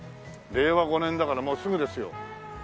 令和５年だからもうすぐですよ。